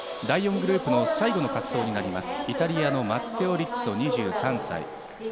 第４グループの最後の滑走になります、イタリアのマッテオ・リッツォ、２３歳。